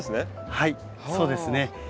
はいそうですね。